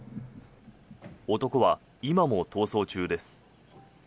男は今も逃走中です。